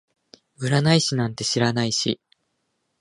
占い師なんて知らないし